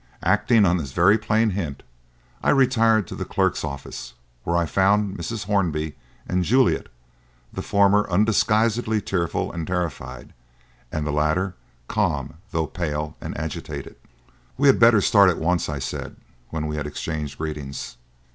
Acting on this very plain hint, I retired to the clerks' office, where I found Mrs. Hornby and Juliet, the former undisguisedly tearful and terrified, and the latter calm, though pale and agitated. "We had better start at once," I said, when we had exchanged greetings.